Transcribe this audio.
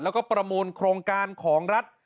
แล้วก็ประมูลโครงการของรัฐ